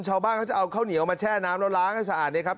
ชาวบ้านจะเอาข้าวเหนียวมาแช่น้ำแล้วล้างให้สะอาด